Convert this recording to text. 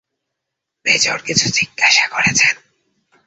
Major কিছু জিজ্ঞাসা করেছেন!